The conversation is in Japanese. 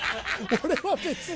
俺は別に。